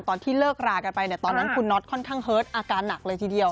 ตอนที่เลิกรากันไปเนี่ยตอนนั้นคุณน็อตค่อนข้างเฮิร์ตอาการหนักเลยทีเดียว